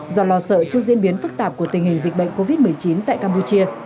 do lo sợ trước diễn biến phức tạp của tình hình dịch bệnh covid một mươi chín tại campuchia